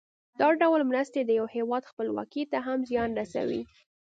دا ډول مرستې د یو هېواد خپلواکۍ ته هم زیان رسوي.